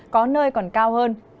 có nơi còn cao hơn